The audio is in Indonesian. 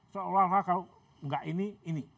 seolah olah kalau nggak ini ini